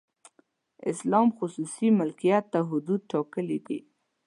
اسلام خصوصي ملکیت ته حدود ټاکلي دي.